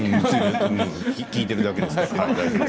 聞いているだけですけど。